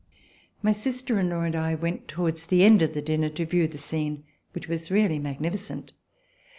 My sister in law and I went, towards the end of the dinner, to view the scene which was really magni ficent.